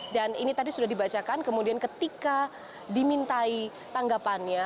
dan ini tadi sudah dibacakan kemudian ketika dimintai tanggapannya